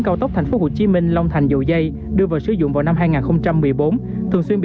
cao tốc tp hcm thủy đầu một trên thành